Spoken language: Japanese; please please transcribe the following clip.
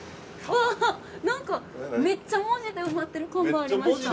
◆あ、なんか、めっちゃ文字で埋まってる看板がありました。